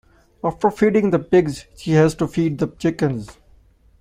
After feeding the pigs, she has to feed the chickens.